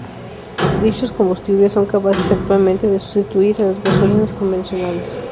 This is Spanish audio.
Dichos combustibles son capaces actualmente de sustituir a las gasolinas convencionales.